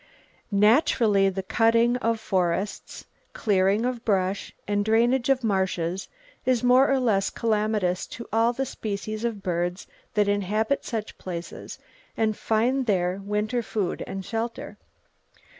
Naturally the cutting of forests, clearing of brush and drainage of marshes is more or less calamitous to all the species of birds that inhabit such places and find there winter food and shelter.